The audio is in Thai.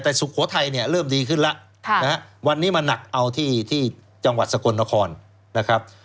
แต่สุโขทัยเนี่ยเริ่มดีขึ้นแล้ววันนี้มาหนักเอาที่จังหวัดสกลนครนะครับ